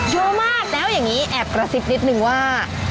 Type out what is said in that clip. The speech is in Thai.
เยอะมากแบบนี้แอบกระซิบนิดหนึ่งว่า